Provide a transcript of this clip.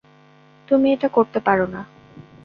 তুমি এটা করতে পারো না।